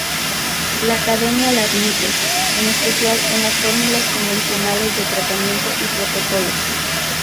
La Academia la admite, en especial en las fórmulas convencionales de tratamiento y protocolo.